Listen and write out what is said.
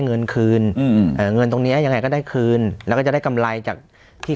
เงินคืนอืมเอ่อเงินตรงเนี้ยยังไงก็ได้คืนแล้วก็จะได้กำไรจากที่